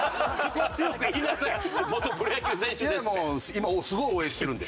今すごい応援してるんで。